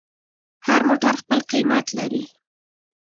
هر موټر خپل قیمت لري.